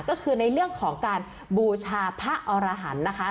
ก็คือในเรื่องของการบูชาพระอรหันต์นะคะ